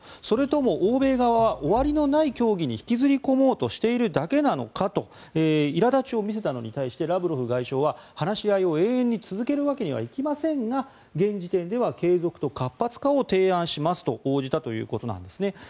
それとも欧米側は終わりのない協議に引きずり込もうとしているだけなのかといら立ちを見せたのに対してラブロフ外相は話し合いを永遠に続けるわけにはいきませんが現時点では継続と活発化を提案しますと応じたということです。